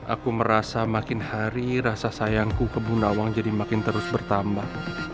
aku merasa makin hari rasa sayangku ke bu nawang jadi makin terus bertambah